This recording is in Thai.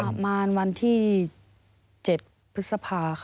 ประมาณวันที่๗พฤษภาค่ะ